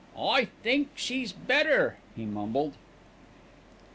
"I think she's better," he mumbled.